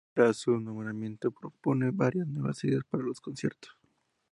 Tras su nombramiento propone varias nuevas ideas para los conciertos.